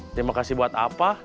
terima kasih buat apa